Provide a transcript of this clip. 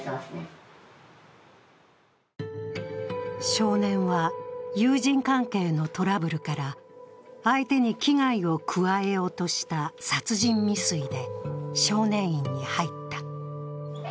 少年は友人関係のトラブルから相手に危害を加えようとした殺人未遂で少年院に入った。